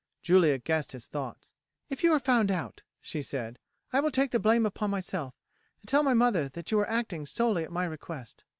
Julia guessed his thoughts. "If you are found out," she said, "I will take the blame upon myself, and tell my mother that you were acting solely at my request."